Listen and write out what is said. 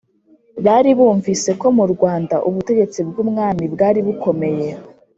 bari barumvise ko mu rwanda ubutegetsi bw'umwami bwari bukomeye,